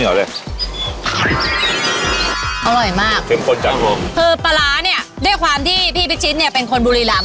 อร่อยมากโทษครับคือปลาร้าเนี้ยด้วยความที่พี่พิชิตเนี้ยเป็นคนบุรีลำ